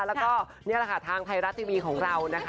แล้วก็นี่แหละค่ะทางไทยรัฐทีวีของเรานะคะ